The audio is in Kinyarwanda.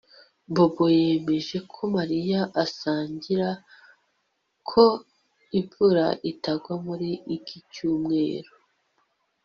Bobo yemeje ko Mariya asangira ko imvura itagwa muri iki cyumweru